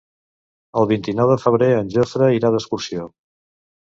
El vint-i-nou de febrer en Jofre irà d'excursió.